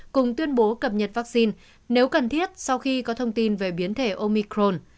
cùng tuyên bố cập nhật vaccine nếu cần thiết sau khi có thông tin về biến thể omicron